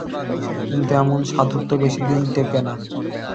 কিন্তু এমন সাধুত্ব বেশিদিন টেঁকে না।